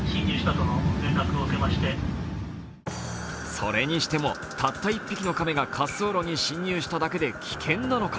それにしても、たった１匹の亀が滑走路に侵入しただけで危険なのか。